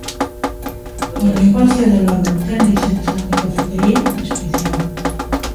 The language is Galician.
O negocio de Lolo ten licenza de cafetería especial.